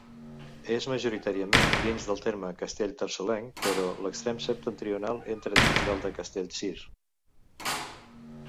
És majoritàriament dins del terme castellterçolenc, però l'extrem septentrional entra dins del de Castellcir.